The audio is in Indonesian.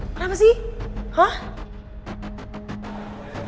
kenapa sih hah